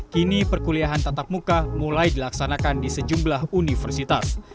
kini perkuliahan tatap muka mulai dilaksanakan di sejumlah universitas